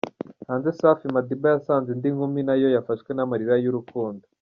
Hanze Safi Madiba yasanze indi nkumi nayo yafashwe namarira y'urukundo.